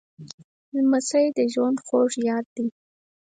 لمسی د ژوند خوږ یاد دی.